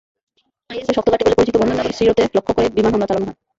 আইএসের শক্ত ঘাঁটি বলে পরিচিত বন্দরনগরী সিরতে লক্ষ্য করে বিমান হামলা চালানো হয়।